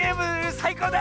さいこうだ！